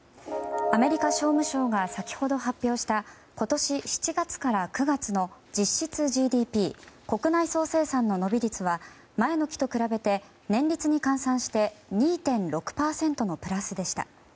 アメリカ商務省が先ほど発表した今年７月から９月の実質ＧＤＰ・国内総生産の伸び率は前の期と比べて年率に換算して２．６％のプラスでした。